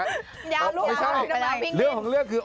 ยาวลูกออกไปแล้ววิ่งเย็นไม่ใช่เรื่องของเรื่องคือ